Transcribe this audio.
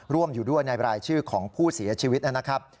ร่วมอยู่ด้วยในรายชื่อของผู้เสียชีวิตนะครับ